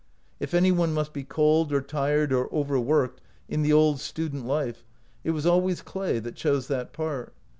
If any one must be cold or tired or overworked in the old student life, it was always Clay that chose that part.